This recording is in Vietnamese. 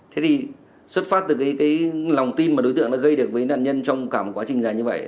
thế thì xuất phát từ cái lòng tin mà đối tượng đã gây được với nạn nhân trong cả một quá trình dài như vậy